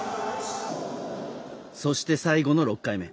そして最後の６回目。